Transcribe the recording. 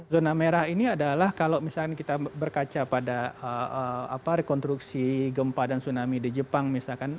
zona merah ini adalah kalau misalnya kita berkaca pada rekonstruksi gempa dan tsunami di jepang misalkan